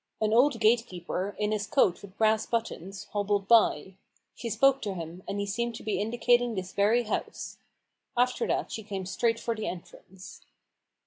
An old gate keeper, in his coat with brass buttons, hobbled by : she spoke to him, and he seemed to be indi cating this very house. After that she came straight for the entrance.